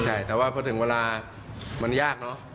ใช่แต่ว่าพอถึงเวลามันยากเนอะ